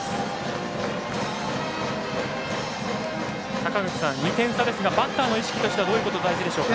坂口さん、２点差ですがバッターの意識としてはどういうことが大事でしょうか？